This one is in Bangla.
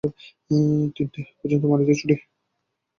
তিনটে পর্যন্ত মালীদের ছুটি।